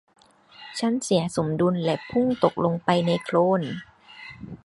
ฉันเสียสมดุลและพุ่งตกลงไปในโคลน